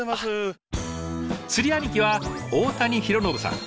釣り兄貴は大谷浩信さん。